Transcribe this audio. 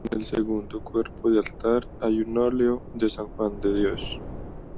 En el segundo cuerpo del altar hay un óleo de San Juan de Dios.